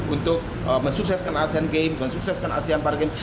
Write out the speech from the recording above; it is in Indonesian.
untuk mensukseskan asean games mensukseskan asean paragames